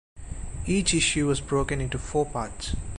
Each issue was broken into four parts.